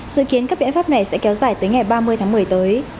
dự kiến các biện pháp này sẽ kéo dài tới ngày ba mươi tháng một mươi tới